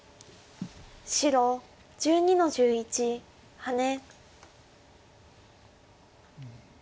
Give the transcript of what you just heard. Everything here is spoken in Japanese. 白１２の十一ハネ。